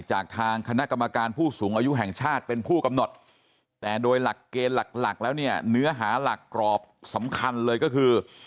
จากทางคณะกรรมการผู้สูงอายุแห่งชาติเป็นผู้กำหนดแต่โดยหลักเกณฑ์หลักหลักแล้วเนี่ยเนื้อหาหลักกรอบสำคัญเลยก็คือ